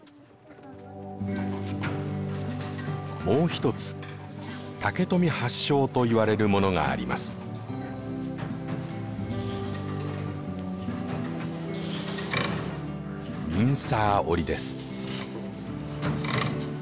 もう一つ竹富発祥といわれるものがあります。